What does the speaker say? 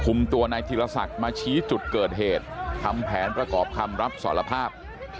ตัวนายธีรศักดิ์มาชี้จุดเกิดเหตุทำแผนประกอบคำรับสารภาพ